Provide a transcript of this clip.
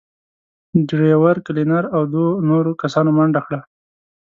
ډرېور، کلينر او دوو نورو کسانو منډه کړه.